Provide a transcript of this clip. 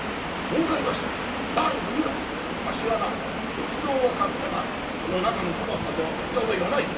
仏像は買ったがこの中の小判までは買った覚えはないぞ。